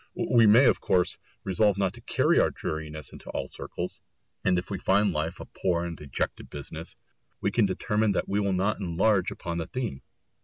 We may of course resolve not to carry our dreariness into all circles, and if we find life a poor and dejected business, we can determine that we will not enlarge upon the theme.